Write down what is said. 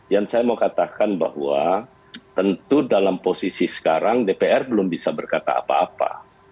yang saya mau katakan bahwa tentu dalam posisi sekarang dpr belum bisa berkata apa apa